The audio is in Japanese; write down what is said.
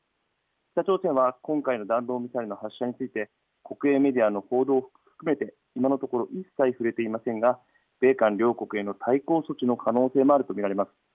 北朝鮮は今回の弾道ミサイルの発射について国営メディアの報道を含めて今のところ一切触れていませんが米韓両国への対抗措置の可能性もあると見られます。